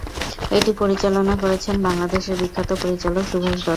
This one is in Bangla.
এটি পরিচালনা করেছেন বাংলাদেশের বিখ্যাত পরিচালক সুভাষ দত্ত।